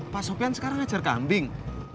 pak sofian sekarang ngajar kambing